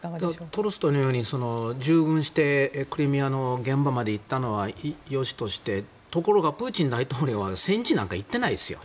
トルストイのように従軍してクリミアの現場まで行ったのは良しとしてところが、プーチン大統領は戦地なんか行ってないですよ。